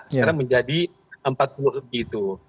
sekarang menjadi empat puluh juta begitu